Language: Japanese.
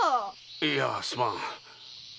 いやあすまん。